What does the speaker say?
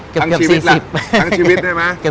ทั้งชีวิตใช่ไหม